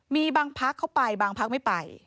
มีบางพักเข้าไปบางพักไม่ไป